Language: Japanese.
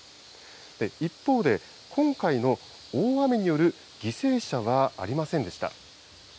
一方で、今回の大雨による犠牲者はありませんでした。